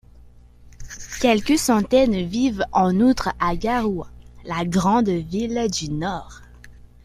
Quelques centaines vivent en outre à Garoua, la grande ville du nord.